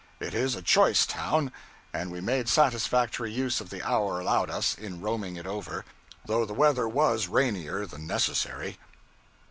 It is a choice town, and we made satisfactory use of the hour allowed us, in roaming it over, though the weather was rainier than necessary.